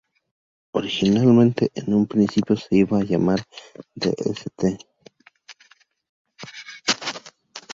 Originalmente en un principio se iba a llamar "The St.